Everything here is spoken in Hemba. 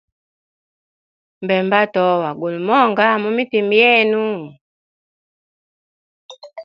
Mbemba atowa, guli monga mumitima yenu?